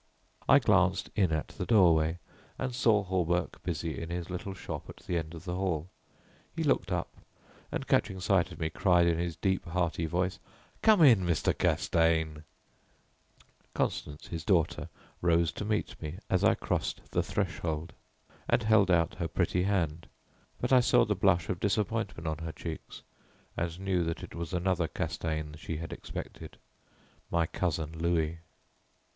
I glanced in at the doorway and saw Hawberk busy in his little shop at the end of the hall. He looked up, and catching sight of me cried in his deep, hearty voice, "Come in, Mr. Castaigne!" Constance, his daughter, rose to meet me as I crossed the threshold, and held out her pretty hand, but I saw the blush of disappointment on her cheeks, and knew that it was another Castaigne she had expected, my cousin Louis.